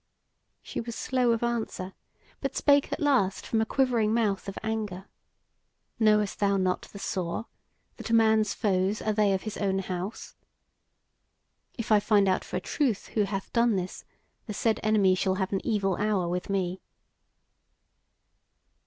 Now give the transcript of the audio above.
She was slow of answer, but spake at last from a quivering mouth of anger: "Knowest thou not the saw, that a man's foes are they of his own house? If I find out for a truth who hath done this, the said enemy shall have an evil hour with me."